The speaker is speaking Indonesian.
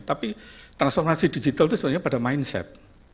tapi transformasi digital itu sebenarnya pada mindset